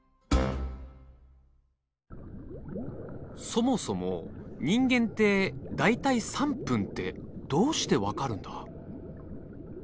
そもそも人間って大体３分ってどうして分かるんだ？